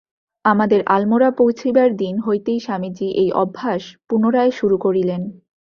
আমাদের আলমোড়া পৌঁছিবার দিন হইতেই স্বামীজী এই অভ্যাস পুনরায় শুরু করিলেন।